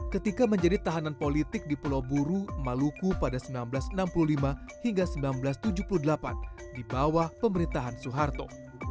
ketika menjadi tahanan politik di pulau buru maluku pada seribu sembilan ratus enam puluh lima hingga seribu sembilan ratus tujuh puluh delapan di bawah pemerintahan soeharto